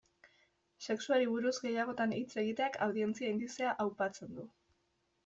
Sexuari buruz gehiagotan hitz egiteak, audientzia indizea aupatzen du.